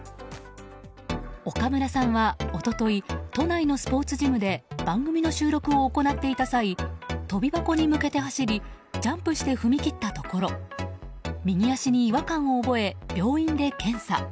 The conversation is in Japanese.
岡村さんは、一昨日都内のスポーツジムで番組の収録を行っていた際跳び箱に向けて走りジャンプして踏み切ったところ右足に違和感を覚え、病院で検査。